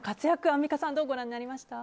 アンミカさんどうご覧になりました？